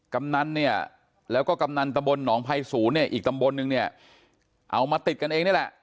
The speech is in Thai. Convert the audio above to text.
กำนันเนี่ยแล้วก็กำนันตะบลหนองภัยศูนย์เนี่ยอีกตำบลนึงเนี่ยเอามาติดกันเองนี่แหละ